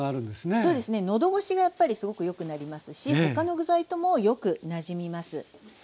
そうですね喉ごしがやっぱりすごくよくなりますし他の具材ともよくなじみます。